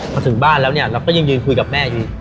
พอถึงบ้านแล้วเนี่ยเราก็ยังยืนคุยกับแม่อยู่